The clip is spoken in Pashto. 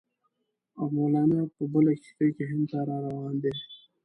او مولنا په بله کښتۍ کې هند ته را روان دی.